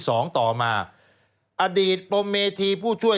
สวัสดีค่ะต้อนรับคุณบุษฎี